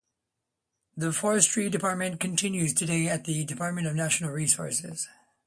That Forestry Department continues today as the Department of Natural Resources.